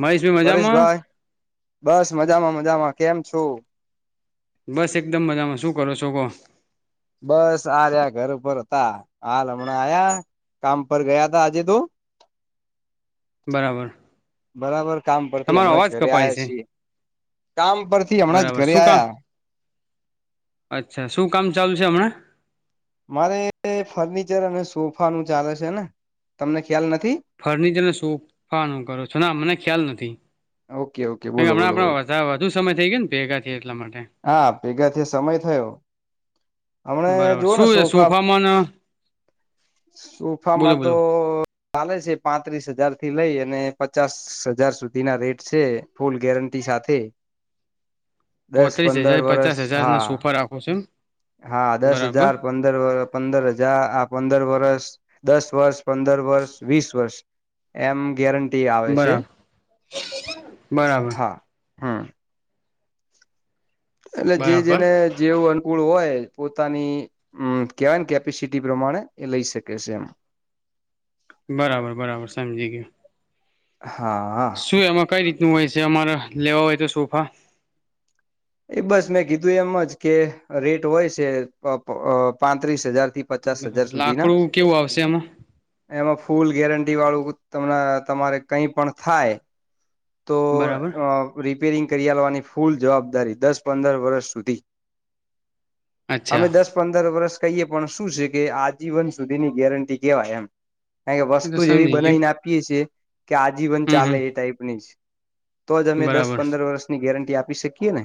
મહેશ ભાઈ મજામાં પરેશભાઈ બસ મજામાં મજામાં કેમ છું? બસ એકદમ મજામાં શું કરો છો કોહ બસ આ રહ્યા ઘર ઉપર હતા હાલ હમણાં આયા કામ પર ગયા તા આજે તો [inaudible] બરાબર બરાબર કામ પરથી તમારો હમણાં અવાજ જ ઘરે કપાય આવ્યા છે છીએ કામ પરથી હમણાં જ બરાબર ઘરે શું કામ આયા અચ્છા શું કામ ચાલુ છે હમણાં મારે ફર્નિચર અને સોફા નું ચાલે છે ને તમને ખ્યાલ નથી. ફર્નિચરને સોફા નું કરો છો ના મને ખ્યાલ નથી. ઓકે ઓકે બોલો હમણાં બોલો આપણા બોલો વધા વધુ સમય થઈ ગયો ને ભેગા થયે હા ભેગાથી સમય થયો હમણા બરાબર જોવ ને શું સોફા સોફામાં ન બોલો સોફામાં તો બોલો ચાલે છે પાંત્રીસ હજાર થી લઈ અને પચાસ હજાર સુધી ના રેટ છે ફૂલ ગેરંટી સાથે દસ પોત્રીસ પંદર હજાર વરસ પચાસ હજાર ના સુપા હા રરાખો છું એમ હા દસ બરાબર હજાર પંદર પંદર હજાર આ પંદર વષૅ દસ વર્ષ પંદર વર્ષ વીસ વર્ષ એમ ગેરંટી ટી આવે છે બરાબર બરાબર હા હમ એટલે જે બરાબર જેને જેવું અનુકૂળ હોય પોતાનીમ કેવાય કેપેસિટી પ્રમાણે એ લઈ શકે છે એમ બરાબર બરાબર સમજી ગયયો હા હા શું એમાં કઈ રીતનું હોય છે અમારે લેવા હોય તો સોફા એ બસ મેં કીધું એમ જ કે રેટ હોય છે પ પાંત્રીસ હજાર થી પચાસ હજાર સુધી ના લાકડું કેવું આવશે એમાં એમાં ફૂલ ગેરંટી વાળું તમને તમારે કઈ પણ થાય તો બરાબર અ રિપેરિંગ કરિયાલવાની ફૂલ જવાબદારી દસ પંદર વર્ષ સુધી અચ્છા અમે દસ પંદર વર્ષ કહીએ પણ શું છે કે આજીવન સુધીની ગેરંટી કેવાય એમ અઈયા એ તો વસ્તુ જે એવી સમજી ગયું બનાવીને આપીએ છીએ કે આજીવન હમ હમ ચાલે એ ટાઈપની તો જ અમે દસ બરાબર પંદર વર્ષની ગેરંટી આપી શકીએ ને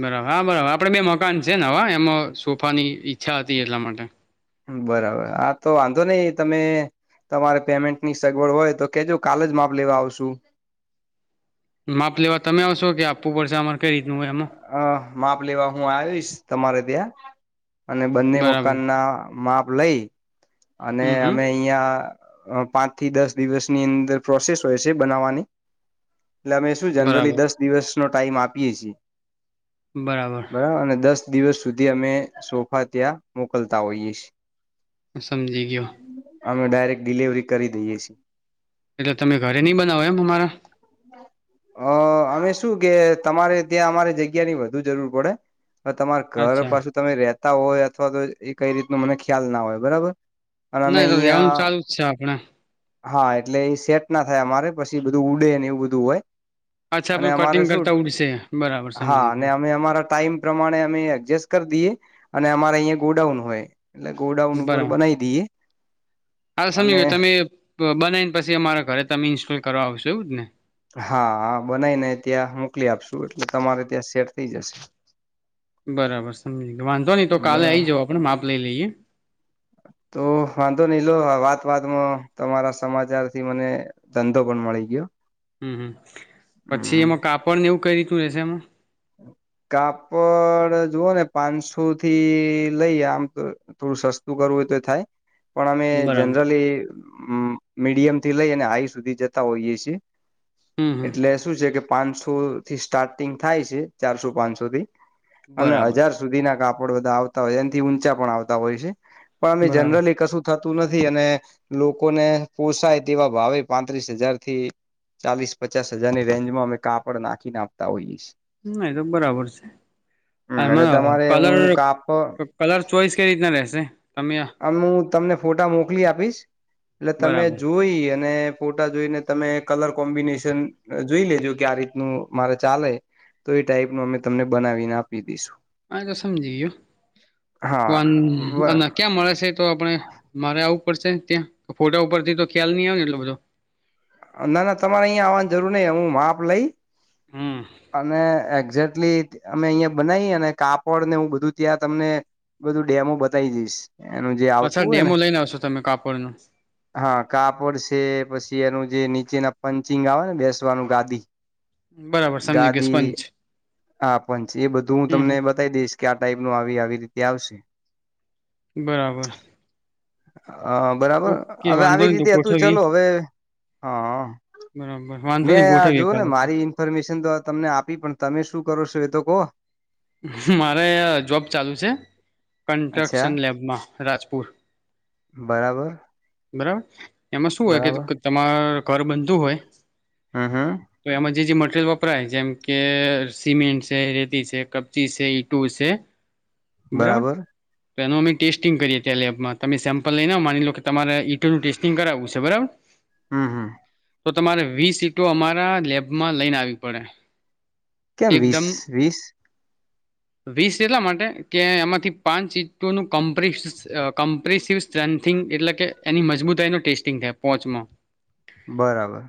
બરાબર હા બરાબર આપડે બે મકાન છે ને નવા એમાં સોફાની ઈચ્છા હતી એટલા માટે બરાબર હા તો વાંધો નહી તમે તમારે પેમેન્ટની સગવડ હોય તો કેજો કાલે જ માપ લેવા આવશુ માપ લેવા તમે આવશો કે આપવું પડશે અમારે કઈ રીતનું હોય એમાં હ માપ લેવા હું આવીશ તમારે ત્યાં અને બંને બરાબર મકાન ના માપ લઈ અને હમ હમ અમે અહીંયા અ પાંચ થી દસ દિવસની અંદર પ્રોસેસ હોય છે બનાવાની એટલે અમે શું જનરલી બરાબર દસ દિવસનો ટાઈમ આપીએ છીએ બરાબર અને દસ દિવસ સુધી અમે સોફા ત્યાં મોકલતા હોઈએ છીએ હ સમજી ગયો અમે ડાયરેક્ટ ડિલિવરી કરી દઈએ છીએ એટલે તમે ઘરે નઈ બનાવો એમ અમારા અ અમે શું કે તમારે ત્યાં અમારે જગ્યાની વધુ જરૂર પડે હવે તમાર ઘર અચ્છા પાછું તમે રેતા હોય. અથવા તો એ કઈ રીતનું મને ખ્યાલ ના હોય બરાબર. અને [unintelligible] અમે તો રેવાનું અહિયાં ચાલુ જ છે આપણે હા એટલે એ સેટ ના થાય અમારે. પછી બધું ઉડે ને એવું બધું હોય અચ્છા અને બધું અમારે કટિંગ શું કરતા ઉડ હા અને અમે અમારા ટાઈમ પ્રમાણે અમે એડજસ્ટ કરી દઈએ અને અમારે અહિયા ગોડાઉન હોય. એટલે ગોડાઉન ઉપર બરાબર બનાવી દઈએ. હા. સમજી અને ગયો તમે બ બનાવી ને પછી અમારા ઘરે તમે ઇન્સ્ટોલ કરવા આવશો. એવુંજ ને? હા હા, બનાઈ ને ત્યાં મોકલી આપશું. એટલે તમારે ત્યાં સેટ થઈ જશે. બરાબર સમજી વાંધો નહી તો કાલે બરાબર આઈ જાવ. આપણે માપ લઈ લઈએ. તો વાંધો નઈ લો વાત માં તમારા સમાચાર થી, મને ધંધો પણ મળી ગયો. હમ્મ હમ્મ પછી હમ એમાં કાપડને એવું કઈ રીતનું રેશે એમાં? [inaudible] કાપડ જોવો ને પાંચસો થી લઈ આમ તો થોડું સસ્તું કરવું [unintelligible] તો થાય પણ અમે બરાબર જનરલી મ મીડિયમ થી લઈ અને હાઈ સુધી જતા હોઈએ છીએ. હમ હમ એટલે શું છે કે પાંચસો થી સ્ટાર્ટિંગ થાય છે. ચારસો પાંચસો થી. અને બરાબર હજાર સુધી ના કાપડ બધા આવતા હોય, એનાથી ઊંચા પણ આવતા હોય છે. પણ બરાબર જનરલી કશું થ તું નથી. અને લોકોને પોષાય તેવા ભાવે પાંત્રીસ હજાર થી ચાલીસ પચાસ હજાર ની રેન્જમાં અમે કાપડ નાખીને આપતા હોઈશ. ના એ તો બરાબર છે. હમ એટલે એમાં તમારે કલર, હું કાપ કલર ચોઈસ કઈ રીતના રહેશે? તમે આમુ તમને ફોટા મોકલી આપીશ. એટલે તમે બરાબર જોઈ અને ફોટા જોઈને તમે કલર કોમ્બિનેશન જોઈ લેજો. કે આ રીતનું મારે ચાલે તો એ ટાઈપ માં અમે તમને બનાવીને આપી દઈશું. હા. એ તો સમજી ગયો. પણ હા અને ક્યાં મળ હશે તો આપણે, મારે આવું પડશે ત્યાં. ફોટા ઉપર થી તો ખ્યાલ નહી આવે ને એટલો બધો. ના ના, તમારે અહીંયા આવવાની જરૂર નહી. હું માપ લઈ હમ્મ અને એક્ઝેકટલી અમે અહીં બનાવીએ ને, કાપડને એવું બધું ત્યાં તમને બધું ડેમો બતાવી દઈશ. એનું જે અચ્છા આવતું હોય ને, ડેમો લઈને આવશો તમે કાપડ નો હા. કાપડ છે પછી ચૅરનું જે નીચેના પંચિંગ આવે ને, બેસવાનું ગાદી બરાબર સમજી ગયો ગાદી સ્પંચ. હા સ્પંચ એ બધું હું હમ તમને બતાવી દઈશ. કે આ ટાઇપનું આવી આવી રીતે આવશે. બરાબર. હા બરાબર. ઓકે હવે વાંધો આવી નહી તો રીતે હતું. ગોઠવીએ ચાલો હવે હા બરાબર વાંધો મેં નહી આ ગોઠવીએ જોવોને કાલે મારી ઇન્ફોર્મેશન તો તમને આપી, પણ તમે શું કરો છો? એ તો કહો. મારે અ જોબ ચાલુ છે. અચ્છા કન્સ્ટ્રક્શન લેબમાં રાજપુર. બરાબર. બરાબર એમાં શું હોય કે, બરાબર તમારે ઘર બનતું હોય હમ હમ તો એમાં જે જે મટ રીયલ વપરાય જેમ કે સિમેન્ટ છે, રેતી છે, કપચી છે, ઈંટુ છે બરાબર. તો એનું અમે ટેસ્ટિંગ કરીએ ત્યાં લેબમાં. તમે સેમ્પલ લઈને આવો માની લ્યો કે તમારે ઈંટુનું ટેસ્ટિંગ કરાવવું છે. બરાબર હમ્મ હમ્મ તો તમારે વીસ ઈંટો અમારા લેબમાં લઈને આવવી પડે. કેમ વીસ. એકદમ વીસ? વીસ એટલા માટે કે એમાંથી પાંચ ઈંટોનું કમ્પ્.. કમ્પ્રેસિસ્ટન એટલે કે એની મજબૂતાઈનુ ટેસ્ટિંગ થાય. પાંચમાં બરાબર.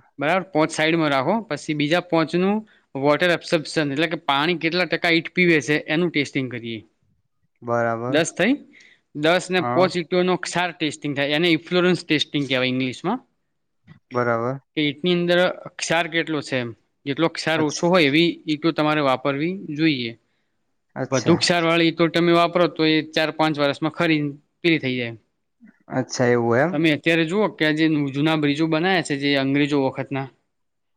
પાંચ સાઈડમાં રાખો. પછી બીજા પાંચ નું વોટર ઓબ્સપ્શન એટલે કે પાણી કેટલા ટકા ઈંટ પી છે એનું ટેસ્ટિંગ કરીએ. બરાબર દસ થઈ. દસ ને હા પાંચ ઈંટોના ક્ષાર ટેસ્ટિંગ એને ઇન્ફ્લોરન્સ ટેસ્ટિંગ કહેવાય, ઇંગ્લિશમાં બરાબર. ની અંદર ક્ષાર કેટલો છે? એમ જેટલો ક્ષાર ઓછો અચ્છા હોય એવી ઈંટો તમારે વાપરવી જોઈએ. વધુ અચ્છા ક્ષારવાળી તમે વાપરો તો એ ચાર-પાંચ વર્ષમાં ખરીને પેલી થઈ જાય અચ્છા. એવું એમ? કયાંક જે જૂના બ્રિજો બનાવ્યા છે. જે અંગ્રેજો વખતના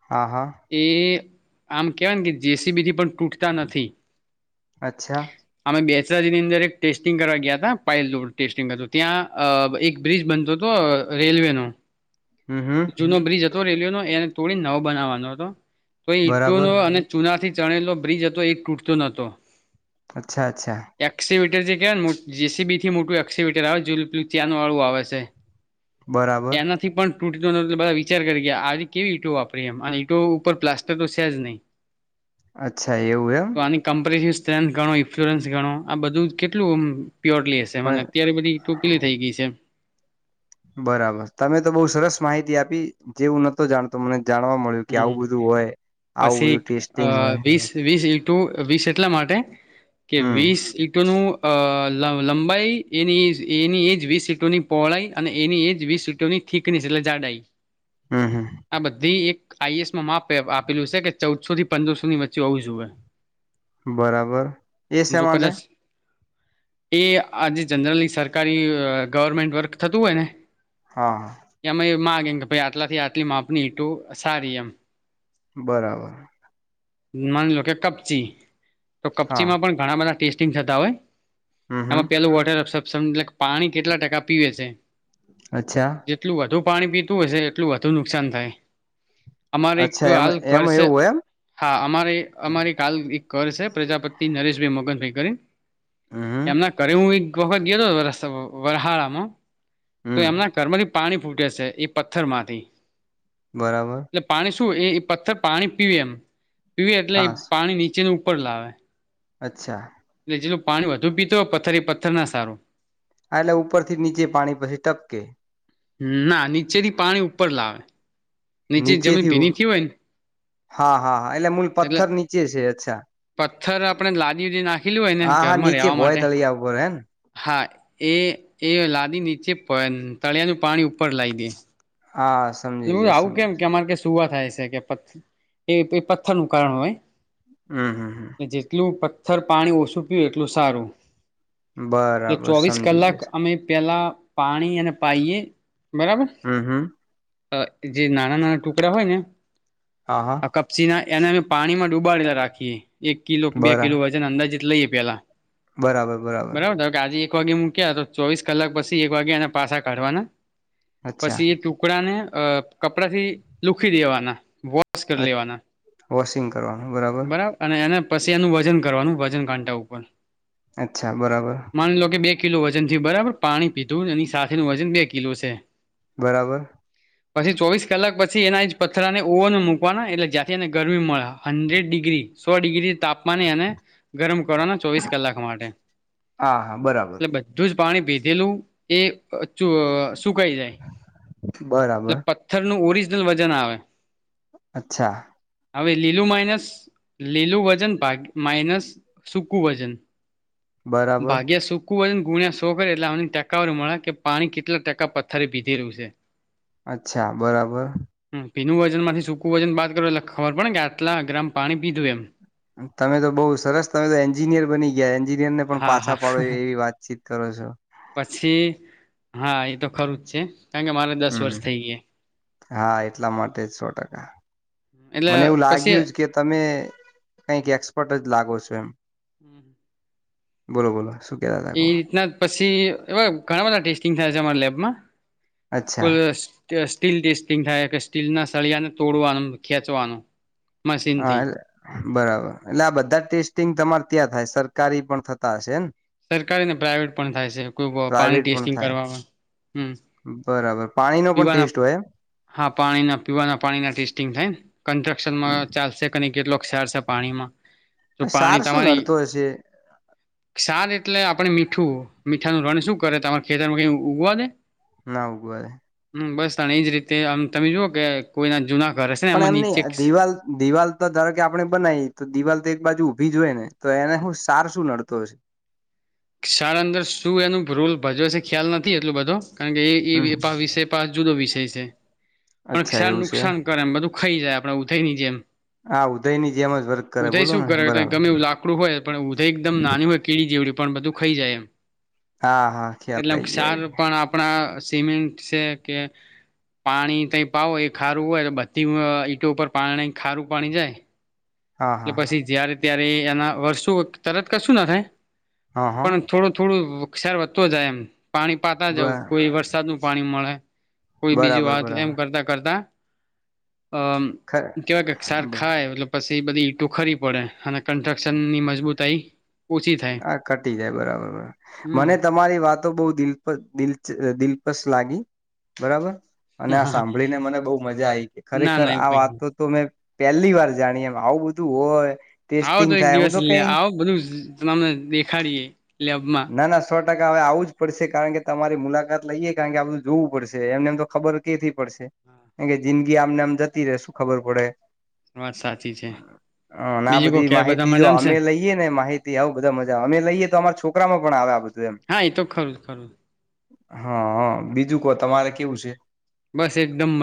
હા હા એ આમ કહેવાય ને કે જેસીબીથી પણ તૂટતા નથી. અચ્છા અમે બે રિયાની અંદર ટેસ્ટિંગ કરવા ગયા હતા. પાયલોડ ટેસ્ટિંગ હતું. ત્યાં એક બ્રિજ બનતો હતો. રેલ્વેનો હમ્મ હમ્મ જો રેલ્વેનો એને તોડી, નવો બનાવાનો હતો. તો ઈંટો બરાબર નો અને ચૂનાથી ચણેલો બ્રિજ હતો એ તૂટતો નહોતો અચ્છા અચ્છા. [unintelligible] જેસીબીથી મોટું એક્વેટર આવે ને પેલું ચેનવાળું આવે છે. બરાબર એનાંથી પણ તૂટતો નહોતો એટલે બધાં વિચાર કરી ગયા, કે આવી કેવી ઈંટો વાપરી? એમ ઈંટો ઉપર પ્લાસ્ટર તો છે જ નહીં અચ્છા એવું એમ તો આની [unintelligible] ગણો ઇન્ફ્યોરન્સ ગણો. આ બધું કેટલું? આમ પ્યોરલી હશે. એમ અને અત્યારે બધી ઈંટો કેવી થઈ ગઈ છે? બરાબર તમે તો બહુ સરસ માહિતી આપી. જે હું નહોતો જાણતો. મને જાણવા મળ્યું કે હમ આવું બધું હોય. આવું બધું ટેસ્ટિંગ હોય. તો વીસ એટલા માટે કે હમ વીસ ઈટ નું અ લ લંબાઈ એની એજ એની એજ વીસ ઈટોની પહોળાઈ અને એની એજ વીસ ઈટોની ઠીકની એટલે જાડાઈ. હમ હમ આ બધી એક આઈએએસમાં માપ આપેલું છે કે, ચૌદસો થી પંદરસોની વચ્ચે હોવું જોએ બરાબર. એ શા માટે? કદાચ એ આજે જનરલી સરકારી ગવર્મેન્ટ વર્ક થતું હોય ને હા હા એમાં એ માગેમ કે ભાઈ આટલા થી આટલી માપની ઈટો સારી એમ બરાબર. માની લો કે કપચી. તો કપચી હા માં પણ ઘણા બધા ટેસ્ટિંગ થતા હોય હમ હમ એમાં પેલું વોટર અસપશન એટલે પાણી કેટલા ટકા પીવે છે. અચ્છા જેટલું વધુ પાણી પીતું હશે. એટલું વધુ નુકસાન થાય. અમારે એક અચ્છા એમ હાલ એમાં કરશે એવું હોય એમ હા અમારે અમારી કાલ એક કર છે. પ્રજાપતિ નરેશભાઈ મગન હમ એમના કરે હું એક વખત ગયો હતો વરહાળામાં તો હમ એમના ઘરમાંથી પાણી ફૂટે છે. એ પથ્થર માંથી બરાબર. શું એ પથ્થર પાણી પીવે એમ. પીવે એટલે એ હા પાણી નીચેની ઉપર લાવે અચ્છા જેલું પાણી વધુ પીતું હોય પથ્થ પથ્થર ના સારું એટલે ઉપરથી નીચે પાણી પછી ટપકે ના નીચેથી પાણી ઉપર લાવે. નીચે જમીન નીચેથી ઉ ભીની થી હોય ને હા, હા, હા એટલે મૂલ પથ્થર નીચે છે, અચ્છા પથ્થર, આપણે લાદી ઉદી નાખેલીું હોય, ને હા હા ઘરમાં નીચે રહેેવા, ભોય માટે તળિયા ઉપર હેને હા, એ એ લાદી નીચે, પ તળિયાનું પાણી ઉપર લાવ દે હા સમજી ગયો આવું કેમ સમજી કે અમારે ક સુવા થાય છે, કે પથ્થર ન કારણ હોય હમ હમ હમ જેટલું પથ્થર પાણી ઓછું, પીયું એટલું સારું એટલે બરાબર ચોવીસ સમજી કલાક, ગયો છે અમે પેલા પાણી અને પાઇએ, બરાબર હમ હમ અ જે નાના, નાના ટુકડા હોય, ને હા હા આ કપચી ના એને અમે પાણીમા ડુબાડેલા રાખીએ, એક કિલો બે બરા કિલો વજન અંદાજત લઈએ, પેલા બરાબર, બરાબર. ધારો કે આજે એક વાગે મૂક્યા, તો ચોવીસ કલાક પછી એક વાગ્યા એને પાસા કાઢવાના અચ્છા પછી, એ ચો આને કપડાથી, લુખ દેવાના કરી લેવાના વોશિંગ કરવાનું બરાબર, અને એને પછી, એનું વજન કરવાનું વજન, કાંટા ઉપર અચ્છા, બરાબર. માની લો કે બે કિલો વજનથી બરાબર, પાણી પીધું એની સાથેનું વજન, બે કિલો છે. બરાબર. પછી, ચોવીસ કલાક પછી, એના પથરાને ઓવન મકવાના એટલે જ્યાંથી, એને ગરમી મળે હન્ડ્રેડ ડિગ્રી સૌ, ડીગી તાપમાની અને ગરમ કરવાના ચોવીસ, કલાક માટે હા હા બરાબર એટલે બધું જ પાણી ભીધેલું, એ સુકાઈ જાય બરાબર. ઓરિજનલ, વજન આવે અચ્છા હવે, લીલું માઇનસ લીલું વજનકી માઇનસ સૂકું વજન બરાબર ભાગ્યા, શો વન ગુણ્યા, શો કરે એટલે આ ટટેકાવાર, મળે કે પાણી કેટલા ટકા પથ્થરે ભીધે રહ્યું છે. અચ્છા, બરાબર. પીનું વજન માંથી સૂકું વજન બાદ કરો એટલે ખબર પડ કે આટલા ગ્રામ, પાણી પીધું એમ તમે તો બઉુ સરસ, તમે તો એન્જિનિયર બની ગયા એન્જિનિયર ને પણ હા પાછા, હા પાડો એવી વાતચીત તર, છો. પછી, હા એ તો ખરું જ છે, કારણ કે મારે દસ હમ વર્ષ થઈ ગયા. હા, એટલા માટે જ સો ટકા એટલે મને એવું પછી લાગ્યું, જ કે તમે કઈક એક્સપર્ટ જ લાગો છો, એમ હમ. બોલો, બોલો સુખ એ રીતના પછી, એવા ઘણા, બધા ટેસ્ટિંગ થયા છે, મારા લેબમાં અચ્છા કુલાસ સ્ટીલ ટેસ્ટિંગ થાય, કે સ્ટીલ ના સળિયાને તોડવાનું ખેંચવાનું હા, મશીનથી એટલે બરાબર એટલે આ બધા, ટેસ્ટિંગ તમારે ત્યાં થાય સર સરકારી પણ થતા, હશેને? સરકારી ને પ્રાાઈવેટ પણ થાય છે, કોઈ પાણી પ્રાઇવેટ પણ ટેસ્ટિંગ થાય કરવામાં હમ બરાબર પાણીનો, પણ પીવાના ટેસ્ટ હોય? હા, પાણી ના પીવાના પાણીના ટેસ્ટિંગ થાય, ને કન્સ્ટ્રક્શનમા એમ ચાલશે ક કેટ કાર છે, પાણીમા તો, સાર પાણી શું તમારી નડતો હશે ક્ષાર એટલે મીઠું, મીઠા નનું રન શું કરે, તમારા ખેતરમાં ક ઉગવા દે? [unintelligible] બસ ત એજ રીતે આમ, તમે જુઓ કે કોઈ ને જુના પણ, એમની દીવાલ દિવાલ ધારો કે આપણે બનાવી, તો દિવાલ તો એક બાજુ ઊભી જ હોય, ને તો એને હું, સાર શું નડતો હશે? શાળા અંદર શું એનું રોલ ભજવે છે ખ્યાલ નથી, એટલો બધો કારણ, કે હમ એ પા વિષય પા જુદો વિષય છે. પણ અચ્છા સારુ એવું છે નુકસાન, કરે એમ બધું ખાઈ જાય આપડે ઉધઈની જેમ હા ઉદયની જેમ જ વર્ક કરે ઉધય બોલો શું ને કરે બરાબર ગમે, એું લાકડું હોય પણ ઉધય એકદમ નાની હોય, કીડી જેવ. પણ બધું ખાઈ જાય, હા હા એમ ખ્યાલ એટલે આઈ ગયો સાર આઈ પણ આપણા સીમેન્ટ છે કે પાણી ત પાવો એ ખારું હોય, બધી ઈંટો ઉપર પા ખારું પાણી જાય ગયો એટલે હા હા પછી, જય્યારે ત્યારે એના વર્ષો તરત કશું ના થાય હા હા પણ થોડું, થોડું ખેર વધતો જાય, એમ પાણી પાતા જવં, બ કોઈ વરસાદ નું પાણી મળે કોઈ બીજી, બરાબર વાત એમ બરાબર કરતા કરતા અમ ખ કેવાય કેક્ષાર બ ખાય એટલે પછી, બધી ખરી પડે અને કન્સ્ટ્રક્શનની મજબૂતાઈ ઓછી થાય હા, ઘટી જાય બરાબરરાબ, હમ મને તમારી વાતો બહ દિલપ, દ દિલપ લાગી, બરાબર અને આ સાંભળીને, મને બહુ, મજા આવી ના ખરેખર ના એવું આ કઈ નહી વાતો, તો મેં પેલી વાર જાણીએ, એમ આવું બધું હોય? આવો તો ટેસ્ટિંગ એક થાય હું દિવસ લ કઈ આવો, બધું તમામને દેખાડીએ લેબમાં કા હવે, આવવું જ પડશે કારણ, કે તમારી મુલાકાત લઈએે, કારણ કે આ બધું જોવું પડશે એમને એમ તો ખબર કેથી પડશે? કાર કે જિંદગી આમને આમ જતી, ર શું ખબર પડે? વાત સાચી છે. હ, આ બીજું કો બધી ક્યારે બધા માહિતી, જો મજામાં છે અમે લઈએ ને માહિતી આવ બધા મજા, અમે લઈએ તો અમારા છોકરી પણ, આવ્યા હા, એ તો ખરું ખરું હા, હ બીજું ક તમારે કેવું છે? બસ, એકદમ મળને